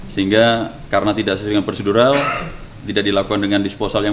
sehingga karena tidak sesuai dengan prosedural tidak dilakukan dengan disposal yang